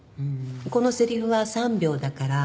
このセリフは３秒だから。